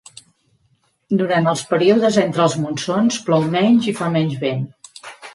Durant els períodes entre els monsons plou menys i fa menys vent.